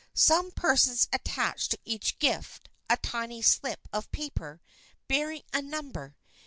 Some persons attach to each gift a tiny slip of paper bearing a number.